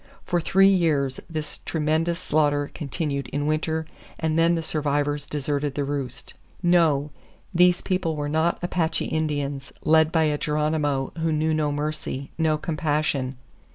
For three years this tremendous slaughter continued in winter,—and then the survivors deserted the roost." No: these people were not Apache Indians, led by a Geronimo who knew no mercy, no compassion.